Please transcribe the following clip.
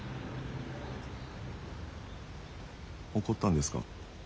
怒ったんですか？